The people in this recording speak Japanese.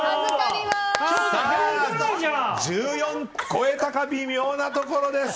１４超えたか微妙なところです。